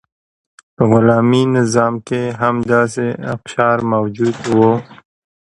په غلامي نظام کې هم داسې اقشار موجود وو.